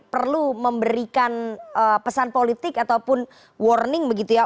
perlu memberikan pesan politik ataupun warning begitu ya